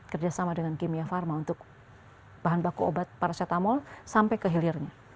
kerjasama dengan kimia pharma untuk bahan baku obat paracetamol sampai ke hilirnya